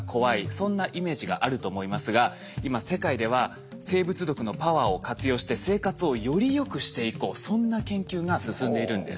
そんなイメージがあると思いますが今世界では生物毒のパワーを活用して生活をよりよくしていこうそんな研究が進んでいるんです。